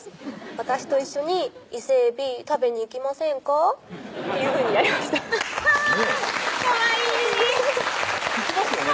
「私と一緒に伊勢海老食べに行きませんか？」っていうふうにやりましたかわいい行きますよね